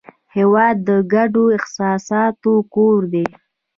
هېواد د ګډو احساساتو کور دی.